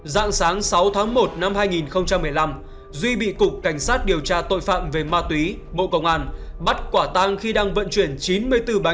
giãn sáng sáu tháng một năm hai nghìn một mươi năm duy bị cục cảnh sát điều tra tội phạm về ma túy bộ công an bắt quả tang khi đang vận chuyển chín mươi bốn bánh heroin trên chiếc xe tải nhỏ màu xanh